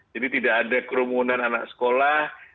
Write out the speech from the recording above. jadi tidak ada kerumunan anak sekolah